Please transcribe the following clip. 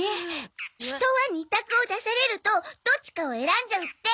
人は二択を出されるとどっちかを選んじゃうって。